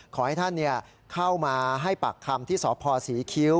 ขอให้ท่านเข้ามาให้ปากคำที่สพศรีคิ้ว